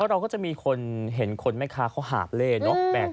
เราก็จะมีคนเห็นคนแม่ค้าเขาหาบเล่เนอะ